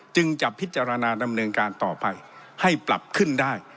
จึงจะพิจารณาดำเนินการต่อไปให้ปรับขึ้นได้